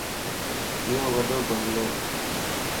ايو وڏو بنگلوَ